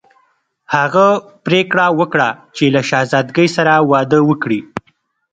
هغه پریکړه وکړه چې له شهزادګۍ سره واده وکړي.